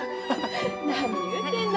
何言うてんの。